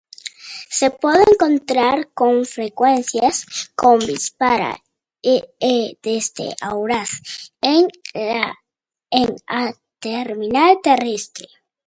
Se puede encontrar con frecuencia combis para y desde Huaraz en la terminal terrestre.